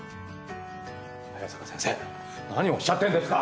早坂先生何をおっしゃってんですか。